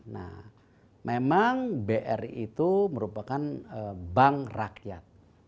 nah memang bri itu merupakan bank rakyat